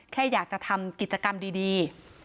แค่อยากจะทำกิจกรรมดี